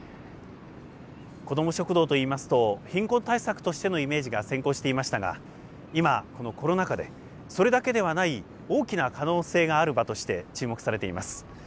こども食堂といいますと「貧困対策」としてのイメージが先行していましたが今このコロナ禍でそれだけではない大きな可能性がある場として注目されています。